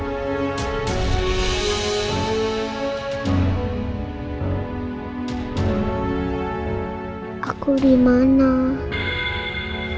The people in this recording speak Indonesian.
semoga kerja bisa jadi oportunitas